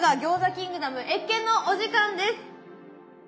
キングダム謁見のお時間です。